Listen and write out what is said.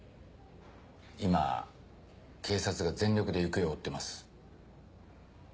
今警察が全力で行方を追ってます。